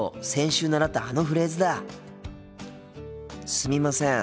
すみません。